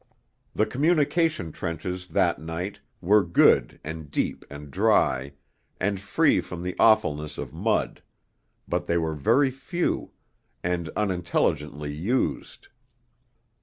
The communication trenches that night were good and deep and dry, and free from the awfulness of mud; but they were very few, and unintelligently used.